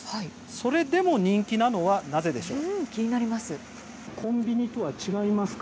それでも人気なのはなぜでしょう。